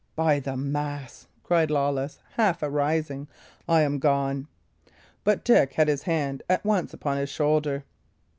"By the mass," cried Lawless, half arising, "I am gone!" But Dick had his hand at once upon his shoulder.